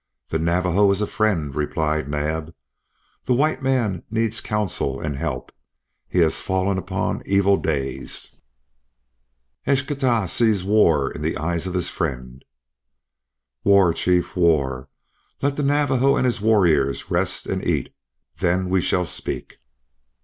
"The Navajo is a friend," replied Naab. "The white man needs counsel and help. He has fallen upon evil days." "Eschtah sees war in the eyes of his friend." "War, chief, war! Let the Navajo and his warriors rest and eat. Then we shall speak."